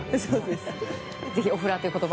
オフラーという言葉